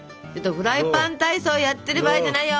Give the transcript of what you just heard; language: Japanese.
フライパン体操やってる場合じゃないよ。